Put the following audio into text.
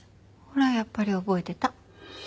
ほらやっぱり覚えてた。